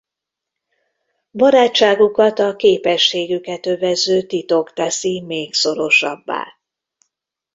Barátságukat a képességüket övező titok teszi még szorosabbá.